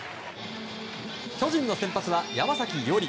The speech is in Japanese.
巨人の先発は山崎伊織。